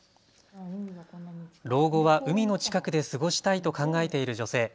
老後は海の近くで過ごしたいと考えている女性。